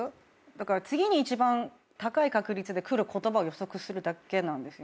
次に一番高い確率で来る言葉を予測するだけなんですよね。